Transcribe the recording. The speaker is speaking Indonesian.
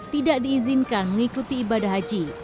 tidak diizinkan mengikuti ibadah haji